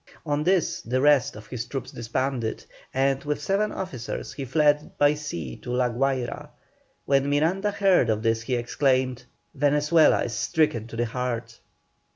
On this the rest of his troops disbanded, and, with seven officers, he fled by sea to La Guayra. When Miranda heard of this he exclaimed, "Venezuela is stricken to the heart."